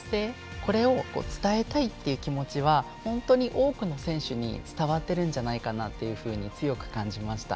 これを伝えたいという気持ちは本当に多くの選手に伝わってるんじゃないかなというふうに強く感じました。